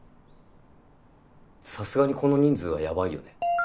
さすがにこの人数はヤバいよね。